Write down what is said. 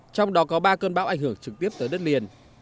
trong đó có ba cơn bão ảnh hưởng trực tiếp tới đất liền